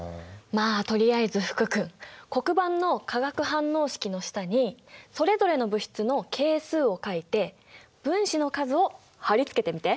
まあとりあえず福君黒板の化学反応式の下にそれぞれの物質の係数を書いて分子の数を貼り付けてみて！